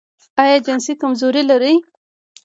ایا جنسي کمزوري لرئ؟